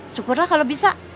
syukurlah kalau bisa